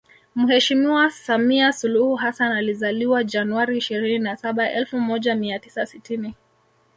Mheshimiwa Samia Suluhu Hassan alizaliwa Januari ishirini na saba elfu moja mia tisa sitini